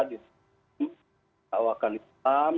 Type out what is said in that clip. di bawah kan islam